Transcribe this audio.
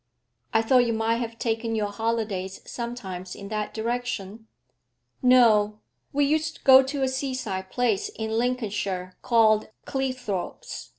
'I thought you might have taken your holidays sometimes in that direction.' 'No. We used to go to a seaside place in Lincolnshire called Cleethorpes.